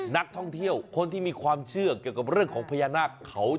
นักท่องเที่ยวคนที่มีความเชื่อเกี่ยวกับเรื่องของพญานาคเขา